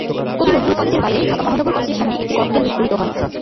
কবি নজরুল কলেজের বাইরে ঢাকা মহানগর কলেজের সামনে একটি ককটেল বিস্ফোরিত হয়।